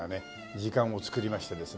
時間を作りましてですね。